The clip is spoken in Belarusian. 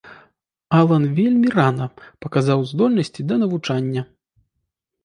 Алан вельмі рана паказаў здольнасці да навучання.